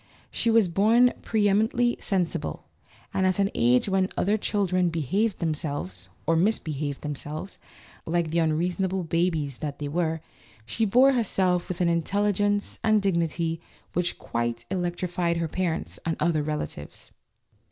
She was born preeminently sensible, and at an age when other children behaved themselves (or misbehaved themselves) like the unreasonable babies that they were, she bore herself with an intelligence and dig nity which quite electrified her parents and other relatives.